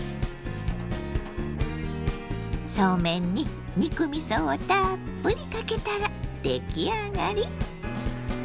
そうめんに肉みそをたっぷりかけたら出来上がり！